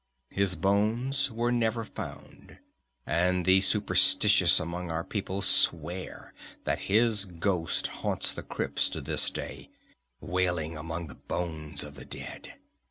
His bones were never found, and the superstitious among our people swear that his ghost haunts the crypts to this day, wailing among the bones of the dead.